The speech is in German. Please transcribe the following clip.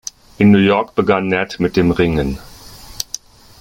In New York begann Nat mit dem Ringen.